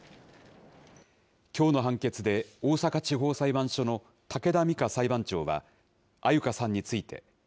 きょうの判決で、大阪地方裁判所の武田瑞佳裁判長は、安優香さんについて。